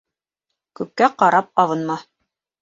Күккә ҡарап абынма.